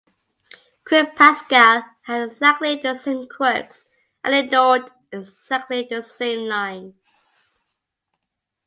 QuickPascal had exactly the same quirks and ignored exactly the same lines.